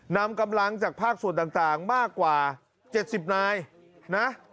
นำกำลังจากภาคส่วนต่างมากกว่า๗๐นายนะ